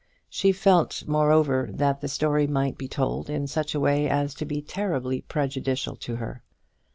She felt, moreover, that the story might be told in such a way as to be terribly prejudicial to her.